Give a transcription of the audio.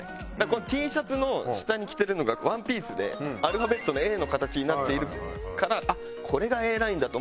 このＴシャツの下に着てるのがワンピースでアルファベットのＡの形になっているからこれがＡラインだと思ってそれを選びました。